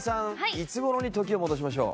いつ頃に時を戻しましょう？